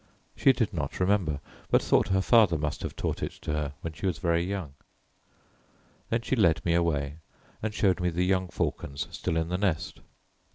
She did not remember, but thought her father must have taught it to her when she was very young. Then she led me away and showed me the young falcons still in the nest.